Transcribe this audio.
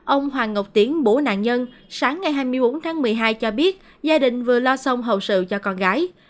ông hoàng ngọc tiến bố nạn nhân sáng ngày hai mươi bốn tháng một mươi hai cho biết gia đình vừa lo xong hậu sự cho con gái